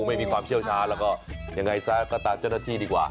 ไม่มีความเชี่ยวชาญแล้วก็ยังไงซะก็ตามเจ้าหน้าที่ดีกว่า